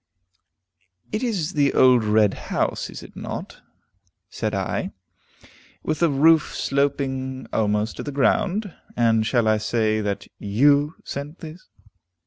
"It is the old red house, is it not?" said I, "with the roof sloping almost to the ground. And shall I say that you sent this?